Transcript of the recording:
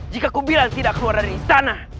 jika kubilan tidak keluar dari istana